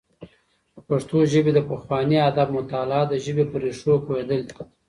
د پښتو ژبې د پخواني ادب مطالعه د ژبې په ريښو پوهېدل دي.